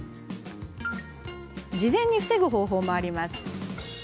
事前に防ぐ方法もあります。